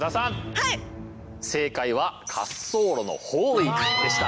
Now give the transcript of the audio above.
正解は滑走路の方位でした。